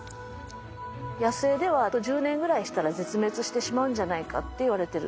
野生ではあと１０年ぐらいしたら絶滅してしまうんじゃないかっていわれてる。